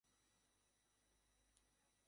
ছেড়ে দে বলছি!